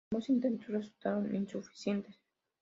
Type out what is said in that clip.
Ambos intentos, resultaron insuficientes.